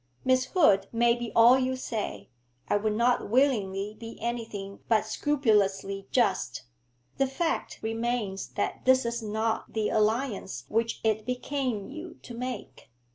Miss Hood may be all you say; I would not willingly be anything but scrupulously just. The fact remains that this is not the alliance which it became you to make.